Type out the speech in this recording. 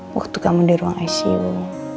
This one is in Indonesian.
waktu kamu di ruang icu